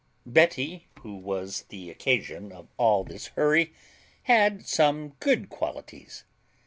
_ Betty, who was the occasion of all this hurry, had some good qualities.